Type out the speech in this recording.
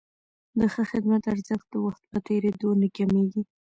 د ښه خدمت ارزښت د وخت په تېرېدو نه کمېږي.